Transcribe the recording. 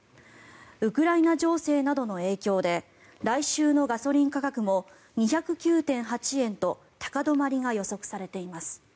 ウクライナ情勢などの影響で来週のガソリン価格も２０９．８円と高止まりが予測されています。